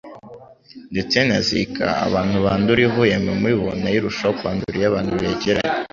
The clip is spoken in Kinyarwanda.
Ndetse na Zika, abantu bandura ivuye mu mibu, nayo irushaho kwandura iyo abantu begeranye.